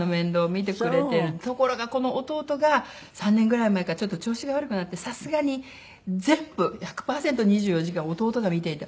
ところがこの弟が３年ぐらい前からちょっと調子が悪くなってさすがに全部１００パーセント２４時間弟が見ていた。